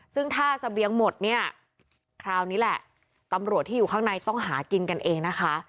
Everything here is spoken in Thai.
ซึ่งถ้าเสบียงหมดเนี่ยคราวนี้แหละตำรวจที่อยู่ข้างในต้องหากินกันเองนะคะ